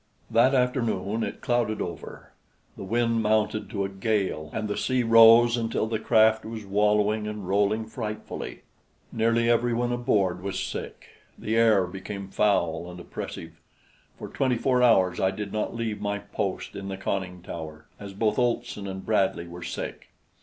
That afternoon it clouded over; the wind mounted to a gale, and the sea rose until the craft was wallowing and rolling frightfully. Nearly everyone aboard was sick; the air became foul and oppressive. For twenty four hours I did not leave my post in the conning tower, as both Olson and Bradley were sick.